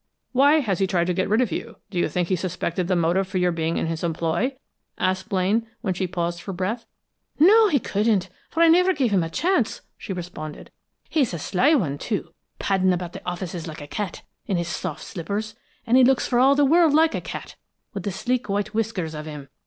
"Why has he tried to get rid of you? Do you think he suspected the motive for your being in his employ?" asked Blaine, when she paused for breath. "No, he couldn't, for I never gave him a chance," she responded. "He's a sly one, too, padding around the offices like a cat, in his soft slippers; and he looks for all the world like a cat, with the sleek white whiskers of him!